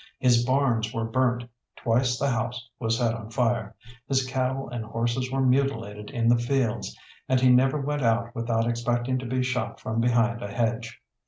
His barns were burnt, twice the house was set on fire, his cattle and horses were mutilated in the fields, and he never went out without expecting to be shot from behind a hedge.